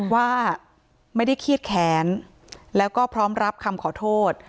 ว่าไม่ได้เครียดแค้นแล้วก็พร้อมรับคำขอโทษ